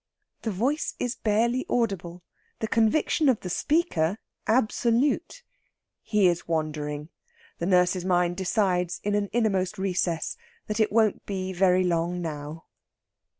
The voice is barely audible, the conviction of the speaker absolute. He is wandering. The nurse's mind decides, in an innermost recess, that it won't be very long now.